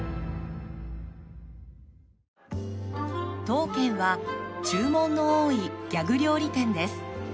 ［当軒は注文の多いギャグ料理店です］